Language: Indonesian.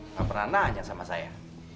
nggak pernah nanya sama saya